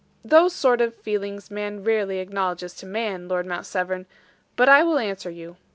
"Those sort of feelings man rarely acknowledges to man, Lord Mount Severn, but I will answer you.